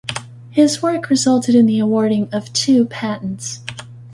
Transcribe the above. His work resulted in the awarding of two patents.